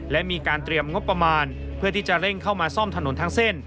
และมีการเตรียมงบประมาณเพื่อที่จะเร่งเข้ามาซ่อมถนนทั้งเส้น